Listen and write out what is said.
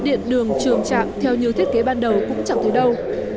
điện đường trường trạm theo như thiết kế ban đầu cũng chẳng thấy đâu